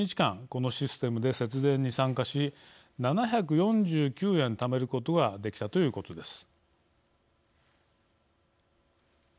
このシステムで節電に参加し７４９円ためることができたということです。